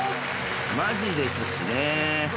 マジですしね。